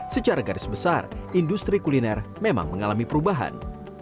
secara garis besar industri kuliner memang mengalami perubahan